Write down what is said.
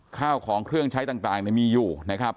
ข้าวของเครื่องใช้ต่างมีอยู่นะครับ